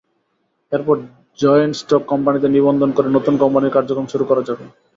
এরপর joint stock কোম্পানিতে নিবন্ধন করে নতুন কোম্পানির কার্যক্রম শুরু করা যাবে।